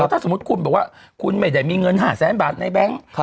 ถ้าสมมุติคุณบอกว่าคุณไม่ได้มีเงิน๕แสนบาทในแบงค์